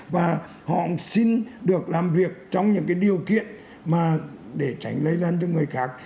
và họ xin được làm việc trong những điều kiện mà để tránh lây lan cho người khác